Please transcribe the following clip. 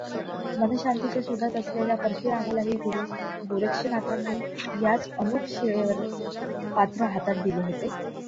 मनःशांतीच्या शोधात असलेल्या परशुरामालाही गुरू गोरक्षनाथांनी याच अनुपम शिळेवर पात्र हातात दिले होते.